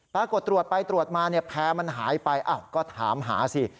ปรากฏตรวจไปตรวจมาเนี่ยแพร่มันหายไปก็ถามหาสิ